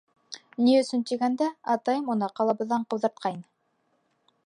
Ни өсөн тигәндә, атайым уны ҡалабыҙҙан ҡыуҙыртҡайны.